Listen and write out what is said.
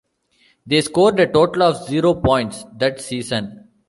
They scored a total of zero points that season.